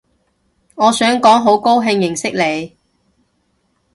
我想講好高興認識你